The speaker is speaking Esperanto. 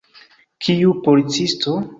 Kiu policisto?